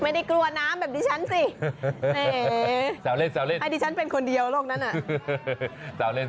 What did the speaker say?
ไม่ได้กลัวน้ำแบบดิฉันสิแซวเล่นให้ดิฉันเป็นคนเดียวโลกนั้น